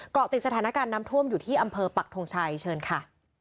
เกาะติดสถานการณ์น้ำท่วมอยู่ที่อำเภอปักทงชัยเชิญค่ะ